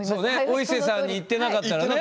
お伊勢さんに行ってなかったらね。